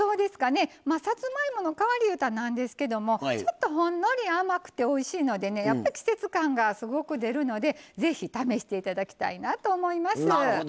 さつまいもの代わりいうたらなんですけどちょっと、ほんのり甘くておいしいので季節感がすごく出るので、ぜひ試していただきたいなと思います。